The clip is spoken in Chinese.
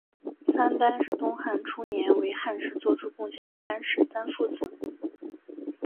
三班是东汉初年为汉室作出贡献的班氏三父子。